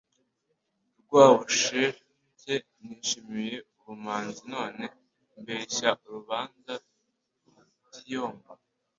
Rwabusheke nishimye ubumanzi none mbeshya urubaze rutiyomba